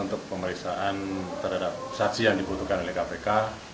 untuk pemeriksaan terhadap saksi yang dibutuhkan oleh kpk